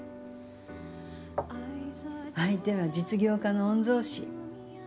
相手は実業家の御曹司。